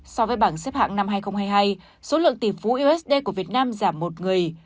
so với bảng xếp hạng năm hai nghìn hai mươi hai số lượng tỷ phú usd của việt nam giảm một người